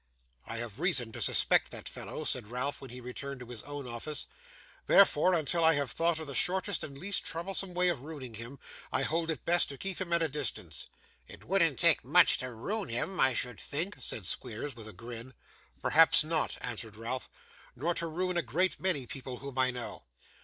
'I have reason to suspect that fellow,' said Ralph, when he returned to his own office. 'Therefore, until I have thought of the shortest and least troublesome way of ruining him, I hold it best to keep him at a distance.' 'It wouldn't take much to ruin him, I should think,' said Squeers, with a grin. 'Perhaps not,' answered Ralph. 'Nor to ruin a great many people whom I know.